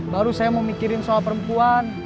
baru saya mau mikirin soal perempuan